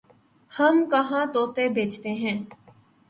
ہم کہاں طوطے بیچتے ہیں